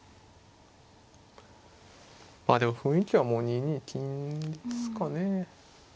まあでも雰囲気はもう２二金ですかね。